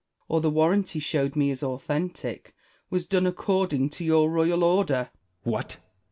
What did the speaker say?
or the warrant he showed me is authentic, was done according to your royal order. Edward. What